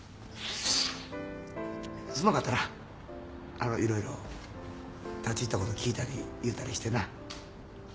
あのいろいろ立ち入ったこと聞いたり言うたりしてな。